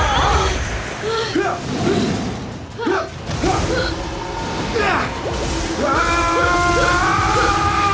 baiklah kerjaan hari ini adalah mengalahkanmu